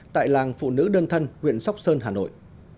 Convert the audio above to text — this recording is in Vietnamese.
tại làng phụ nữ đơn thân huyện sóc sơn hà nội